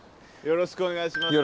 よろしくお願いします。